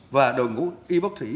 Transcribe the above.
và đội ngũ y bác thủy